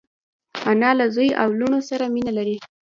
انا له زوی او لوڼو سره مینه لري